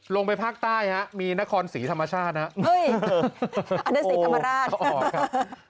ลงไปภาคใต้มีนครสีธรรมชาตินะอันนั้นสีธรรมราช